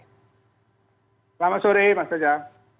selamat sore mas sajang